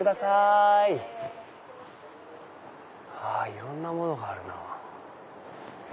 いろんな物があるなぁ。